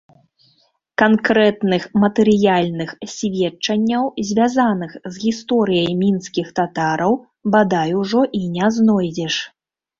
Канкрэтных матэрыяльных сведчанняў, звязаных з гісторыяй мінскіх татараў, бадай, ужо і не знойдзеш.